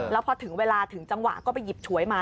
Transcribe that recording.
แล้วพอถึงเวลาถึงจังหวะก็ไปหยิบฉวยมา